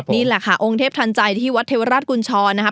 นี่แหละค่ะองค์เทพทันใจที่วัดเทวราชกุญชรนะคะ